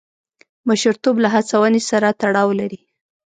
مشرتوب له هڅونې سره تړاو لري.